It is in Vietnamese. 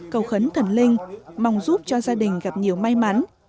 cầu khấn thần linh mong giúp cho gia đình gặp nhiều may mắn